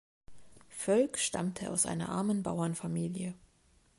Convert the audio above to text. Völk stammte aus einer armen Bauernfamilie.